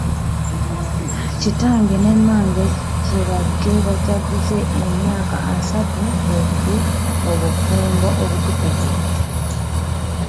Kitange ne mmange kye bajje bajaguze emyaka asatu be ddu mu bufumbo obutukuvu.